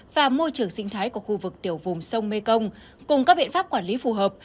và môi trường sinh thái của khu vực tiểu vùng sông mekong cùng các biện pháp quản lý phù hợp